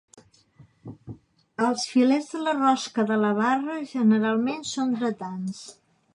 Els filets de la rosca de la barra generalment són dretans.